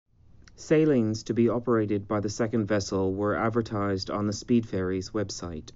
Sailings to be operated by the second vessel were advertised on the SpeedFerries website.